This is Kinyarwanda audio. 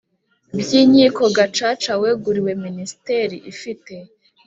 By inkiko gacaca weguriwe minisiteri ifite